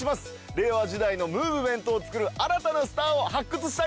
令和時代のムーブメントをつくる新たなスターを発掘したいと思います。